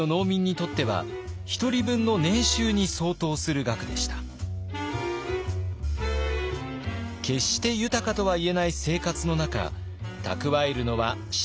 決して豊かとはいえない生活の中蓄えるのは至難の業。